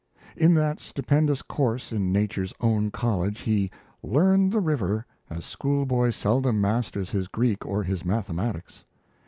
In that stupendous course in nature's own college, he "learned the river" as schoolboy seldom masters his Greek or his mathematics.